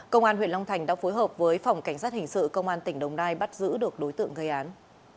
công an huyện long thành đã phối hợp với phòng cảnh sát hình sự công an tỉnh đồng nai bắt giữ được đối tượng gây án